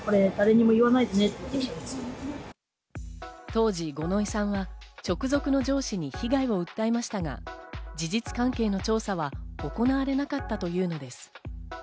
当時、五ノ井さんは直属の上司に被害を訴えましたが、事実関係の調査は行われなかったというのです。